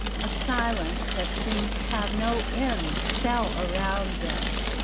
A silence that seemed to have no end fell around them.